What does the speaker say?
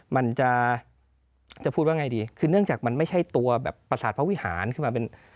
มันจะจะพูดว่าไงดีคือเนื่องจากมันไม่ใช่ตัวแบบประสาทพระวิหารขึ้นมาเป็น